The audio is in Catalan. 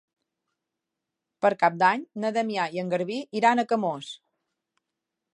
Per Cap d'Any na Damià i en Garbí iran a Camós.